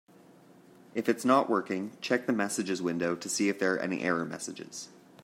If it's not working, check the messages window to see if there are any error messages.